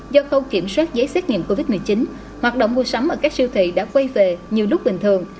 do khâu kiểm soát giấy xét nghiệm covid một mươi chín hoạt động mua sắm ở các siêu thị đã quay về như lúc bình thường